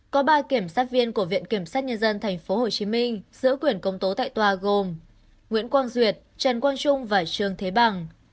có ba kiểm sát viên của viện kiểm sát nhân dân tp hcm giữ quyền công tố tại tòa gồm nguyễn quang duyệt trần quang trung và trương thế bằng